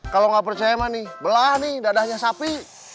kalau nggak percaya mah nih belah nih dadahnya sapi